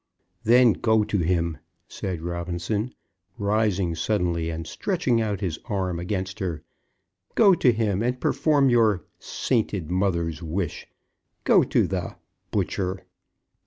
"Then go to him!" said Robinson, rising suddenly, and stretching out his arm against her. "Go to him, and perform your sainted mother's wish! Go to the butcher!